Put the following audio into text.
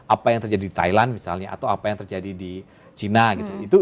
apa yang terjadi di thailand misalnya atau apa yang terjadi di china gitu